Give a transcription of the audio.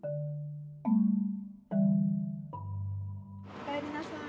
おかえりなさい。